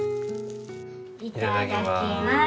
いただきます。